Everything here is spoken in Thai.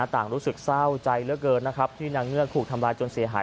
ต่างรู้สึกเศร้าใจเลอะเกินที่นางเงือกถูกทำลายจนเสียหาย